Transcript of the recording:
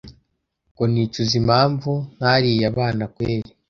ngo nicuza impamvu ntariye abana kweli!